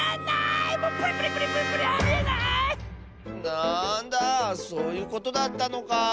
なんだそういうことだったのか。